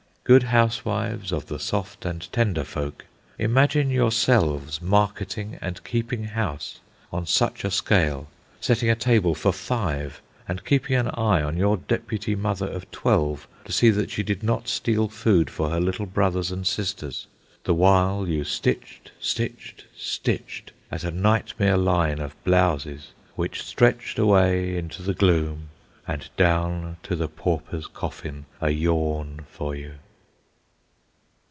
Good housewives of the soft and tender folk, imagine yourselves marketing and keeping house on such a scale, setting a table for five, and keeping an eye on your deputy mother of twelve to see that she did not steal food for her little brothers and sisters, the while you stitched, stitched, stitched at a nightmare line of blouses, which stretched away into the gloom and down to the pauper's coffin a yawn for you.